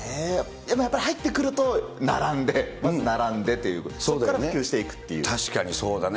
でも、やっぱり入ってくると、並んで、まず並んでということで、そこから普及してい確かにそうだね。